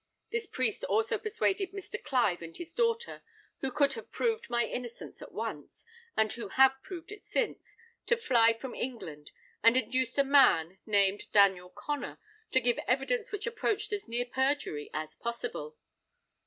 This priest also persuaded Mr. Clive and his daughter, who could have proved my innocence at once, and who have proved it since, to fly from England, and induced a man, named Daniel Connor, to give evidence which approached as near perjury as possible."